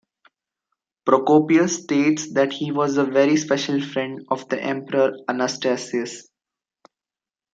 Procopius states that he was a very special friend of the Emperor Anastasius.